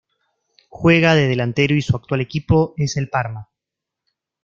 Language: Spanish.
Juega de delantero y su actual equipo es el Parma.